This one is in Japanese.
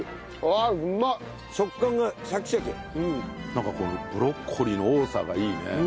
なんかこのブロッコリーの多さがいいね。